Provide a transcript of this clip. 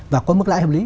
và có mức lãi hợp lý